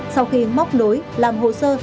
sau khi móc nối làm hồ sơ